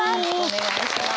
お願いします！